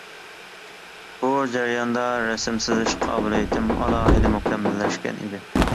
بۇ جەرياندا رەسىم سىزىش قابىلىيىتىم ئالاھىدە مۇكەممەللەشكەن ئىدى.